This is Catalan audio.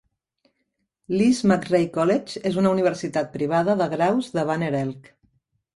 Lees-McRae College és una universitat privada de graus de Banner Elk.